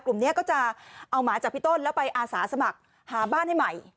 กลุ่มนี้ก็จะเอาหมาจากพี่ต้นแล้วไปอาสาสมัครหาบ้านให้ใหม่